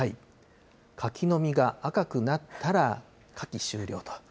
柿の実が赤くなったら夏季終了と。